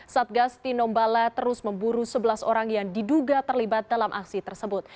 satgas tinombala terus memburu sebelas orang yang diduga terlibat dalam aksi tersebut